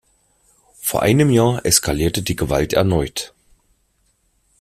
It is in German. Vor einem Jahr eskalierte die Gewalt erneut.